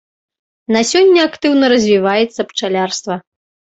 На сёння актыўна развіваецца пчалярства.